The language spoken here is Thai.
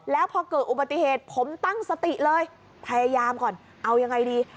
แล้วพอเกิดอุบัติเหตุผมตั้งสติเลยพยายามก่อนเอายังไงดี